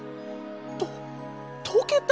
ととけた！？